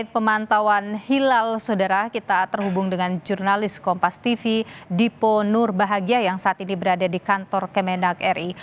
pemantauan hilal saudara kita terhubung dengan jurnalis kompas tv dipo nurbahagia yang saat ini berada di kantor kemenak ri